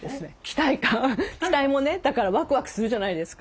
期待もねだからワクワクするじゃないですか。